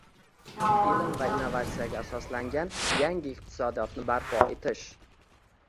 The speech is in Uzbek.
Ilm va innovatsiyaga asoslangan yangi iqtisodiyotni barpo etish